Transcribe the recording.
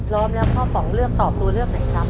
พร้อมแล้วพ่อป๋องเลือกตอบตัวเลือกไหนครับ